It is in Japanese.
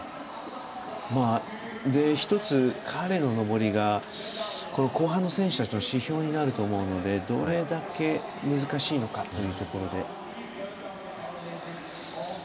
１つ、彼の登りが後半の選手たちの指標になると思うのでどれだけ難しいのかっていうところで。